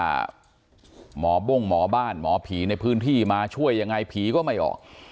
หมอบ้งหมอบ้านหมอผีในพื้นที่มาช่วยยังไงผีก็ไม่ออก